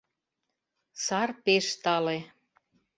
Сар пеш тале...»